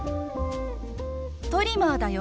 トリマーだよ。